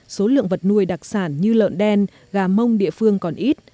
số lượng vật nuôi đặc sản như lợn đen gà mông địa phương còn ít